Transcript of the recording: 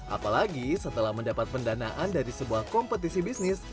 apalagi setelah mendapat pendanaan dari sebuah kompetisi bisnis